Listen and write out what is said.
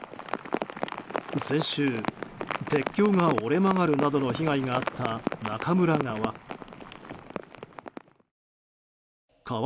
先週、鉄橋が折れ曲がるなどの被害があった中村川。